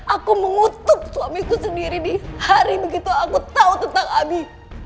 aku mengutuk suamiku sendiri di hari begitu aku tahu tentang abi